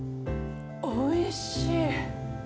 おいしい。